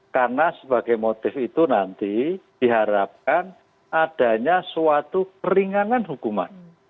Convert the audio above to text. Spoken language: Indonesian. karena sebagai motif itu nanti diharapkan adanya suatu peringangan hukuman